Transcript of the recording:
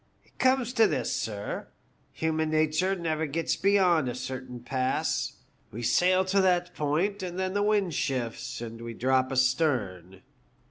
It comes to this, sir : human nature never gets beyond a certain pass. We sail to that point, and then the wind shifts, and we drop astern.